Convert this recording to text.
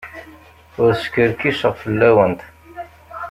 Ur skerkiseɣ fell-awent.